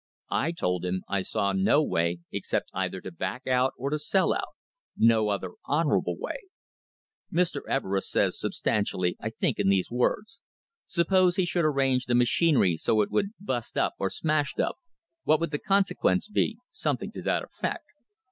I told him I saw no way except either to back out or to sell out; no other honourable way. Mr. Everest says, substantially, I think, in these words: 'Suppose he should arrange the machinery so it would bust up, or smash up, what would the consequences be ?' something to that effect.